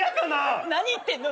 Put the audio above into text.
何言ってんの。